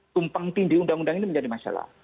tumpang tindih undang undang ini menjadi masalah